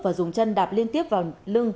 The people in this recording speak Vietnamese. và dùng chân đạp liên tiếp vào lưng